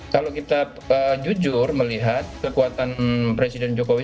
kalau kita jujur melihat kekuatan presiden jokowi